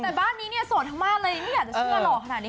แต่บ้านนี้เนี่ยโสดทั้งบ้านเลยไม่อยากจะเชื่อหล่อขนาดนี้